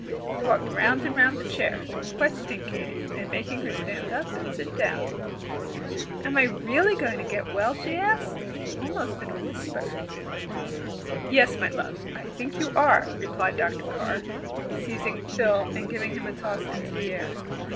He walked round and round the chair, questioning Katy and making her stand up and sit down. "Am I really going to get well?" she asked, almost in a whisper. "Yes, my love, I think you are," replied Dr. Carr, seizing Phil and giving him a toss into the air.